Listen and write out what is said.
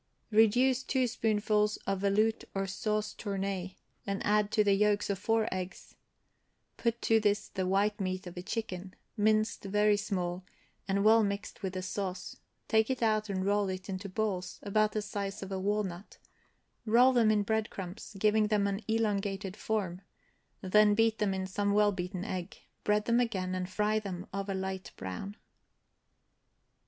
Reduce two spoonfuls of veloute or sauce tournée, and add to the yolks of four eggs; put to this the white meat of a chicken, minced very small, and well mixed with the sauce; take it out, and roll it into balls, about the size of a walnut; roll them in breadcrumbs, giving them an elongated form; then beat them in some well beaten egg; bread them again, and fry them of a light brown.